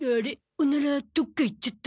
オナラどっか行っちゃった。